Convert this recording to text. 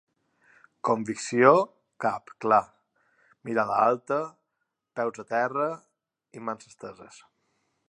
Convicció, cap clar, mirada alta, peus a terra i mans esteses.